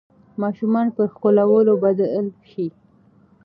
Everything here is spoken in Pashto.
ماشوم پر ښکلولو بدل شي.